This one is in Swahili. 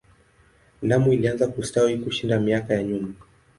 Lamu ilianza kustawi kushinda miaka ya nyuma.